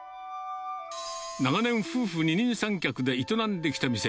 長年、夫婦二人三脚で営んできた店。